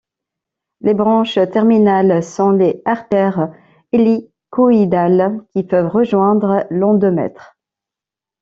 Les branches terminales sont les artères hélicoïdales qui peuvent rejoindre l'endomètre.